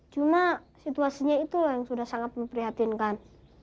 cuma situasinya itu yang sudah sangat memprihatinkan